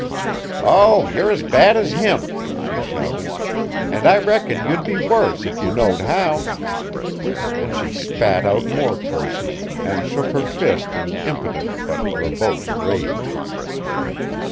"Oh, you're as bad as him," she shouted, "and I reckon you'd be worse if you knowed how." And she spat out more curses, and shook her fist in impotent but verbose rage.